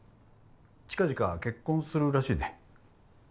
近々結婚するらしいね。